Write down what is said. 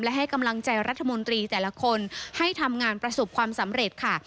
และให้กำลังใจรัฐมนตรีแต่ละคนให้ทำงานประสบความสำเร็จค่ะ